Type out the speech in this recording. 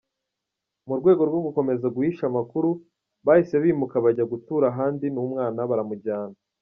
Mu rwego rwo gukomeza guhisha amakuru, bahise bimuka bajya gutura ahandi n’umwana baramujyana.